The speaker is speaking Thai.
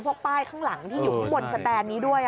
ป้ายข้างหลังที่อยู่ข้างบนสแตนนี้ด้วย